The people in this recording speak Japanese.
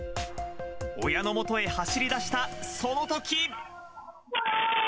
親の元へ走りだしたそのとき。